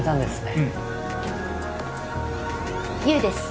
うん優です